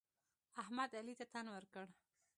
احمد؛ علي ته تن ورکړ.